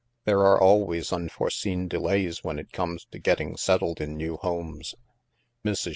There are always unforeseen' delays when it comes to get ting settled in new homes. Mrs.